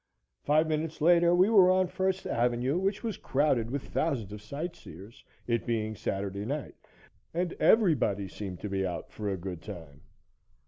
Five minutes later we were on First Avenue, which was crowded with thousands of sightseers, it being Saturday night, and everybody seemed to be out for a good time.